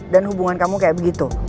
dan hubungan kamu kayak begitu